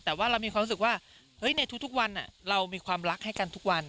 แต่ว่าเรามีความรู้สึกว่าเฮ้ยในทุกวันเรามีความรักให้กันทุกวัน